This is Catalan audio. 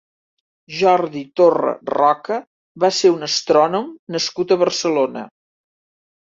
Jordi Torra Roca va ser un astrònom nascut a Barcelona.